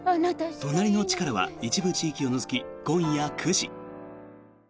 「となりのチカラ」は一部地域を除き今夜９時。